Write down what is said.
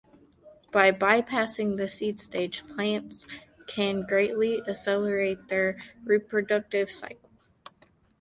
By bypassing the seed stage plants can greatly accelerate their reproductive cycle.